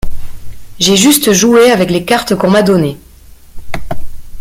J'ai juste joué avec les cartes qu'on m'a données.